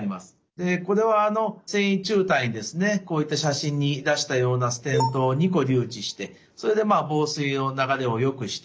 でこれは線維柱帯ですねこういった写真に出したようなステントを２個留置してそれで房水の流れをよくして。